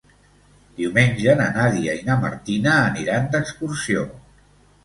Diumenge na Nàdia i na Martina aniran d'excursió.